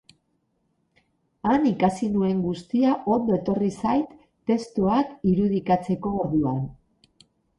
Han ikasi nuen guztia ondo etorri zait testoak irudikatzeko orduan.